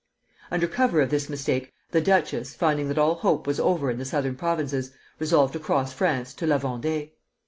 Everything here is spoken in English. Under cover of this mistake the duchess, finding that all hope was over in the southern provinces, resolved to cross France to La Vendée.